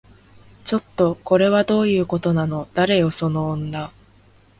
ちょっと、これはどういうことなの？誰よその女